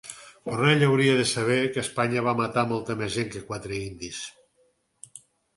Borrell hauria de saber que Espanya va matar molta més gent que quatre indis